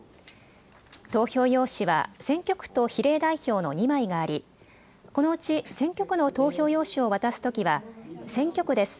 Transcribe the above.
投票用紙は選挙区と比例代表の２枚があり、このうち選挙区の投票用紙を渡すときは選挙区です。